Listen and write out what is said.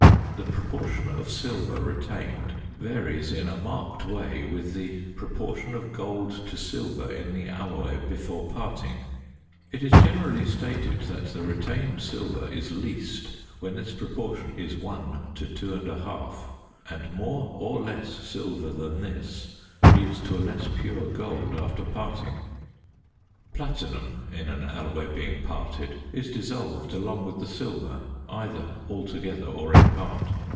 The proportion of silver retained varies in a marked way with the proportion of gold to silver in the alloy before parting. It is generally stated that the retained silver is least when this proportion is 1 to 2 1/2, and more or less silver than this leads to a less pure gold after parting. Platinum in an alloy being parted is dissolved along with the silver either altogether or in part.